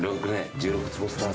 １６坪スタート。